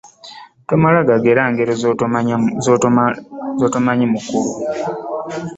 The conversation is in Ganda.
Tomala gagera ngero z'otamanyi makulu.